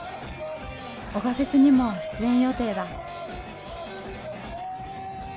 男鹿フェスにも出演予定だ。